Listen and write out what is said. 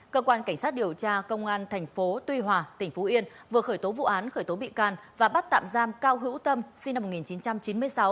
cơ quan cảnh sát điều tra công an tp hcm vừa khởi tố vụ án khởi tố bị can và bắt tạm giam cao hữu tâm sinh năm một nghìn chín trăm chín mươi sáu